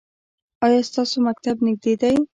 ایا ستاسو مکتب نږدې دی؟